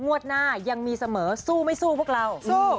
งวดหน้ายังมีเสมอสู้ไม่สู้พวกเรา